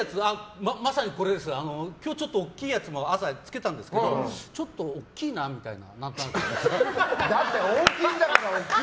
今日ちょっと大きいやつも朝つけたんですけどちょっと大きいなみたいな。